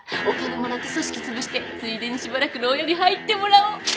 お金もらって組織つぶしてついでにしばらく牢屋に入ってもらおう。